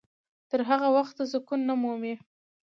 تر هغه وخته سکون نه مومي.